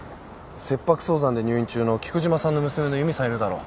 切迫早産で入院中の菊島さんの娘の由美さんいるだろ。